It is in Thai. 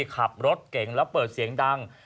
ขับรถเก่งแล้วเปิดเสียงดัง